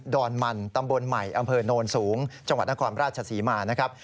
อนมันตำบลใหม่อำเภอโนนสูงจังหวัดนครราชศรีมานะครับ